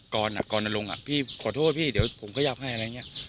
กรนลงอ่ะพี่ขอโทษพี่เดี๋ยวผมขยับให้อะไรอย่างนี้